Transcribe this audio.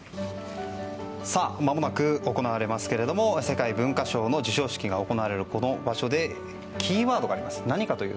まもなく行われますが世界文化賞の授賞式が行われるこの場所でキーワードがあります。